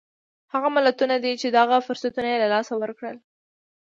هغه ملتونه دي چې دغه فرصتونه یې له لاسه ورکړل.